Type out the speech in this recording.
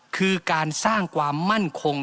คือการสร้างความมั่นคง